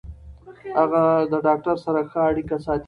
هغه د ډاکټر سره ښه اړیکه ساتي.